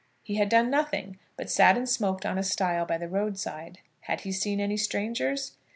He had done nothing, but sat and smoked on a stile by the road side. Had he seen any strangers?